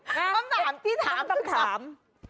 คำถามที่ถามต้องถาม